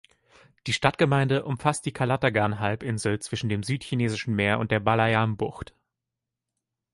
Die Stadtgemeinde umfasst die Calatagan-Halbinsel zwischen dem Südchinesischen Meer und der Balayan-Bucht.